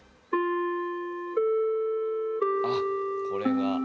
あこれが。